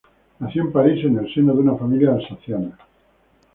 Nació en París en el seno de una familia alsaciana.